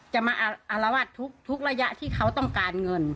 จะมาอารวาสทุกระยะที่เขาต้องการเงิน